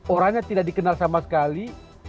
orangnya tidak dikenal sama sekali